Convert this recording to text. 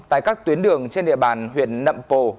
tại các tuyến đường trên địa bàn huyện nậm pồ